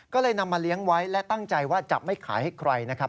ก็เลยนำมาเลี้ยงไว้และตั้งใจว่าจะไม่ขายให้ใครนะครับ